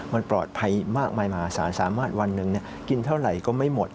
มันปลอดภัยมากมายมาสารสามารถวันหนึ่งกินเท่าไหร่ก็ไม่หมด